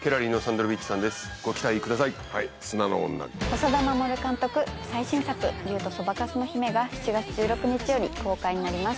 細田守監督、竜とそばかすの姫が７月１６日より公開になります。